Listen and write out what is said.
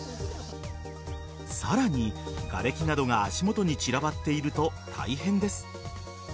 さらに、がれきなどが足元に散らばっていると大変です。